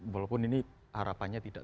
walaupun ini harapannya tidak